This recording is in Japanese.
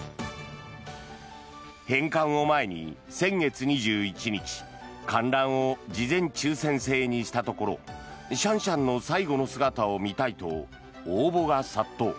返還を前に先月２１日観覧を事前抽選制にしたところシャンシャンの最後の姿を見たいと応募が殺到。